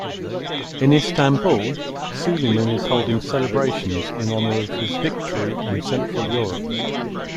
In Istanbul, Suleiman is holding celebrations in honour of his 'victory' in central Europe.